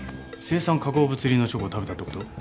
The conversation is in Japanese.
青酸化合物入りのチョコを食べたってこと？